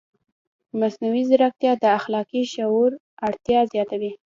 مصنوعي ځیرکتیا د اخلاقي شعور اړتیا زیاتوي.